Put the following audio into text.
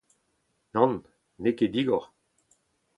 Nann, n'eo ket digor.